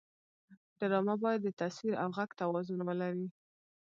ډرامه باید د تصویر او غږ توازن ولري